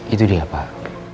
itu dia pak